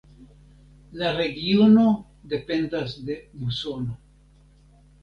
La regiono dependas de musono.